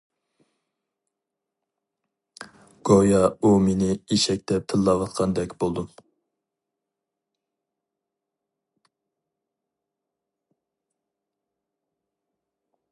گويا ئۇ مېنى ئېشەك دەپ تىللاۋاتقاندەك بولدۇم.